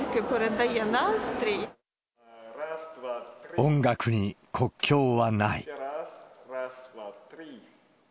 音楽に国境はない。